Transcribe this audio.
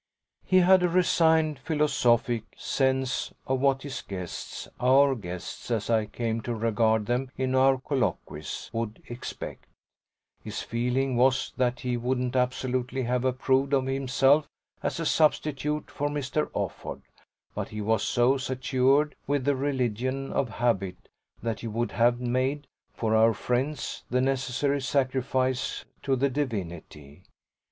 He had a resigned philosophic sense of what his guests our guests, as I came to regard them in our colloquies would expect. His feeling was that he wouldn't absolutely have approved of himself as a substitute for Mr. Offord; but he was so saturated with the religion of habit that he would have made, for our friends, the necessary sacrifice to the divinity.